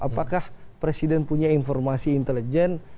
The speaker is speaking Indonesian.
apakah presiden punya informasi intelijen